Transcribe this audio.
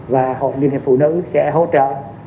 và hội liên hiệp phụ nữ sẽ hỗ trợ